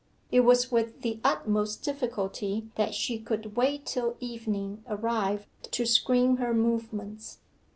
It was with the utmost difficulty that she could wait till evening arrived to screen her movements.